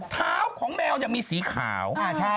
เท้าของแมวมีสีขาว